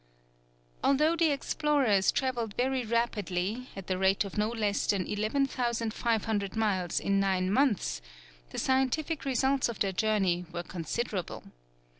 Although the explorers travelled very rapidly, at the rate of no less than 11,500 miles in nine months, the scientific results of their journey were considerable.